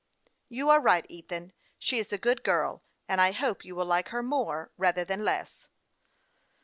" You are right, Ethan. She is a good girl, and I hope you will like her more, rather than less."